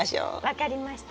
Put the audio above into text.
分かりました。